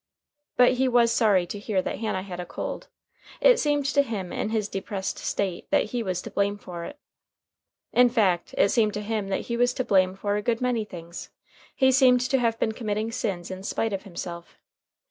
But he was sorry to hear that Hannah had a cold. It seemed to him, in his depressed state, that he was to blame for it. In fact, it seemed to him that he was to blame for a good many things. He seemed to have been committing sins in spite of himself.